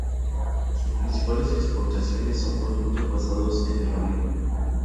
Sus principales exportaciones son productos basados en el olivo.